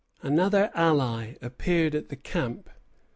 Another ally appeared at the camp.